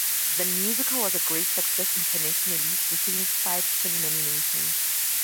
The musical was a great success internationally, receiving five Tony nominations.